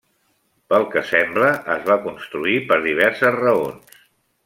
Pel que sembla, es va construir per diverses raons.